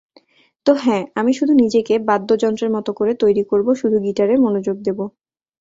তো, হ্যাঁ, আমি শুধু নিজেকে বাদ্যযন্ত্রের মত করে তৈরি করব, শুধু গিটারে মনোযোগ দেব।